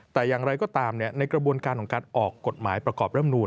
แต่อย่างไรก็ตามในกระบวนการของการออกกฎหมายประกอบร่ำนูล